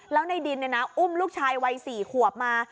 แล้วในดินอุ้มลูกชายวัย๔ขวบมา